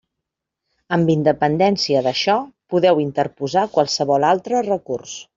Amb independència d'això podeu interposar qualsevol altre recurs.